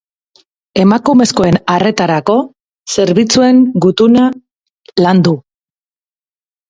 Emakumezkoen arretarako zerbitzuen gutuna landu.